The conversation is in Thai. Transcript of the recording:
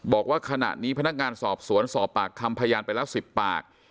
บอกว่าขณะนี้พนักงานสอบสวนสอบปากคำพยานไปแล้ว๑๐ปาก